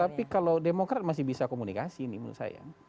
tapi kalau demokrat masih bisa komunikasi ini menurut saya